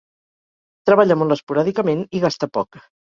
Treballa molt esporàdicament i gasta poc.